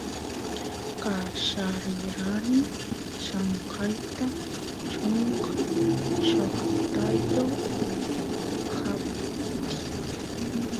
qallarerani llamkayta chunka shoqtayoq kaptiy